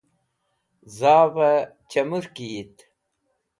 zav'ey chamurki yit